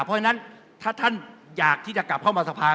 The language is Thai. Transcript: เพราะฉะนั้นถ้าท่านอยากที่จะกลับเข้ามาสภา